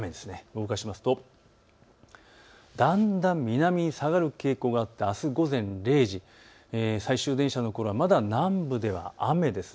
動かしますとだんだん南に下がる傾向があってあす午前０時、最終電車のころはまだ南部では雨です。